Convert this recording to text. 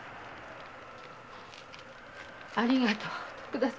ありがとう徳田様。